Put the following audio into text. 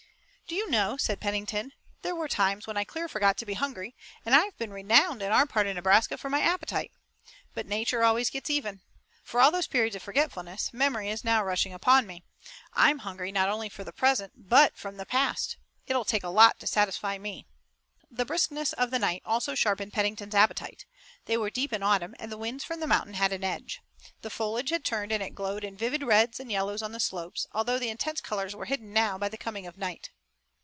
"Do you know," said Pennington, "there were times when I clear forgot to be hungry, and I've been renowned in our part of Nebraska for my appetite. But nature always gets even. For all those periods of forgetfulness memory is now rushing upon me. I'm hungry not only for the present but from the past. It'll take a lot to satisfy me." The briskness of the night also sharpened Pennington's appetite. They were deep in autumn, and the winds from the mountains had an edge. The foliage had turned and it glowed in vivid reds and yellows on the slopes, although the intense colors were hidden now by the coming of night.